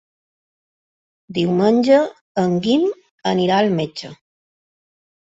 Diumenge en Guim anirà al metge.